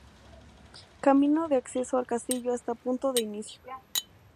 Camino de acceso al castillo hasta punto de inicio.